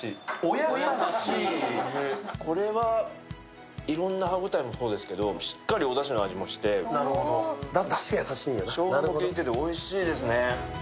これはいろんな歯応えもそうですけどしっかりおだしの味もしてしょうがもきいてて、おいしいですね。